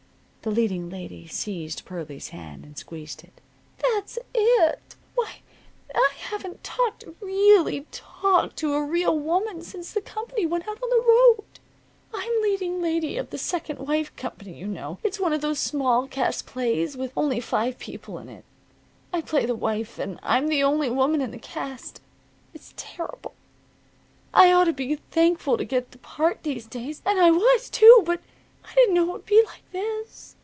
The leading lady seized Pearlie's hand and squeezed it. "That's it! Why, I haven't talked really talked to a real woman since the company went out on the road. I'm leading lady of the 'Second Wife' company, you know. It's one of those small cast plays, with only five people in it. I play the wife, and I'm the only woman in the cast. It's terrible. I ought to be thankful to get the part these days. And I was, too. But I didn't know it would be like this.